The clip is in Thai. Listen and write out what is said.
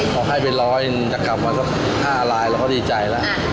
ขอให้ไปรออย่างนี้จะกลับว่า๕ลายเราก็ดีใจแล้ว